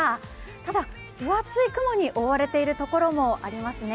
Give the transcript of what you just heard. ただ、分厚い雲に覆われているところもありますね。